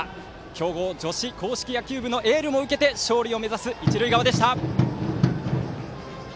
強豪女子硬式野球部のエールも受けて勝利を目指す一塁側でした。